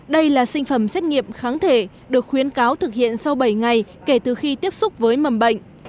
đây là sinh phẩm xét nghiệm kháng thể được khuyến cáo thực hiện sau bảy ngày kể từ khi tiếp xúc với mầm bệnh